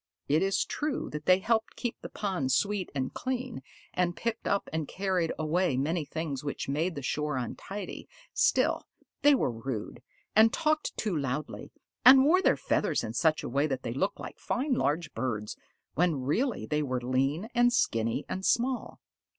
It is true that they helped keep the pond sweet and clean, and picked up and carried away many things which made the shore untidy, still, they were rude, and talked too loudly, and wore their feathers in such a way that they looked like fine large birds, when really they were lean and skinny and small.